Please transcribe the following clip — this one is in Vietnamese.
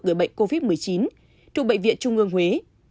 gửi bệnh covid một mươi chín trụ bệnh viện trung ương huế